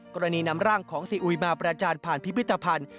กรณีนำร่างของซีอุยมาประจานผ่านพิพิธภัณฑ์